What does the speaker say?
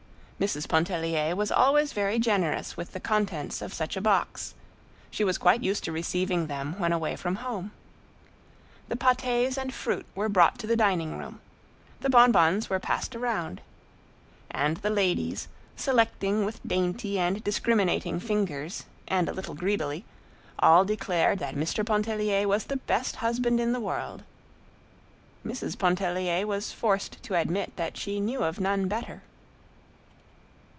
Mrs. Pontellier was always very generous with the contents of such a box; she was quite used to receiving them when away from home. The patés and fruit were brought to the dining room; the bonbons were passed around. And the ladies, selecting with dainty and discriminating fingers and a little greedily, all declared that Mr. Pontellier was the best husband in the world. Mrs. Pontellier was forced to admit that she knew of none better.